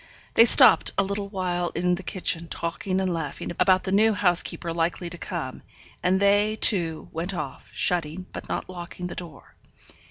They stopped a little while in the kitchen, talking and laughing about the new housekeeper likely to come; and they, too, went off, shutting, but not locking the door.